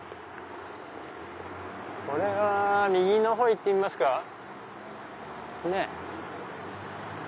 これは右のほう行ってみますか。